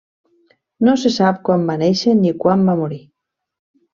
No se sap quan va néixer ni quan va morir.